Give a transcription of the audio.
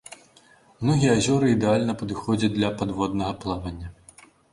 Многія азёры ідэальна падыходзяць для падводнага плавання.